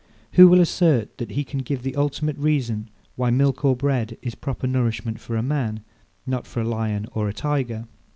Who will assert that he can give the ultimate reason, why milk or bread is proper nourishment for a man, not for a lion or a tiger?